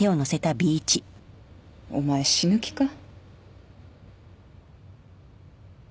お前死ぬ気か？